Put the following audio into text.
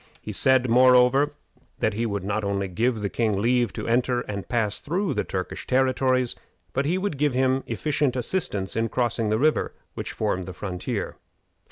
He said, moreover, that he would not only give the king leave to enter and pass through the Turkish territories, but he would give him efficient assistance in crossing the river which formed the frontier.